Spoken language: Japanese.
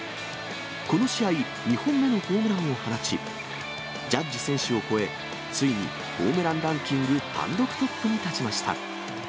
この試合、２本目のホームランを放ち、ジャッジ選手を超え、ついにホームランランキング単独トップに立ちました。